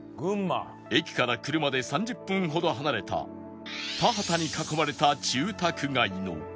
駅から車で３０分ほど離れた田畑に囲まれた住宅街のとあるご当地スーパーに